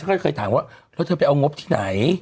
ก็เลยเคยถามว่าแล้วเธอไปเอางบที่ไหน